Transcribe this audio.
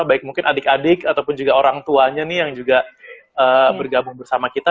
baik mungkin adik adik ataupun juga orang tuanya nih yang juga bergabung bersama kita